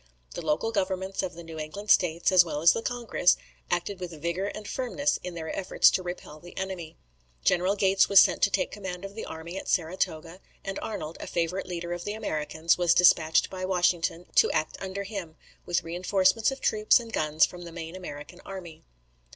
The local governments of the New England States, as well as the Congress, acted with vigour and firmness in their efforts to repel the enemy. General Gates was sent to take command of the army at Saratoga; and Arnold, a favourite leader of the Americans, was despatched by Washington to act under him, with reinforcements of troops and guns from the main American army.